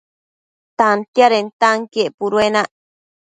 Tantiadentanquien puduenac